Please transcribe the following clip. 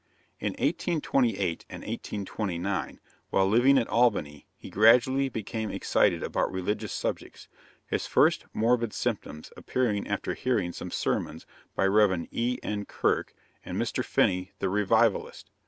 In 1828 and 1829, while living at Albany, he gradually became excited about religious subjects; his first morbid symptoms appearing after hearing some sermons by Rev. E. N. Kirk, and Mr. Finney the revivalist.